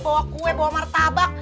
bawa kue bawa martabak